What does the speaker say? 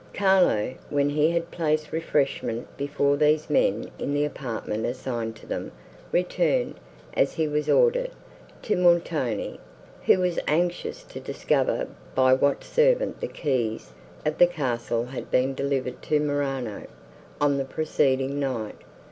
Carlo, when he had placed refreshment before these men in the apartment assigned to them, returned, as he was ordered, to Montoni, who was anxious to discover by what servant the keys of the castle had been delivered to Morano, on the preceding night.